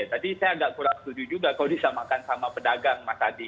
tadi saya agak kurang setuju juga kalau disamakan sama pedagang mas adi